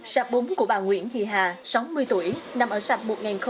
sạp bún của bà nguyễn thị hà sáu mươi tuổi nằm ở sạp một nghìn hai mươi tám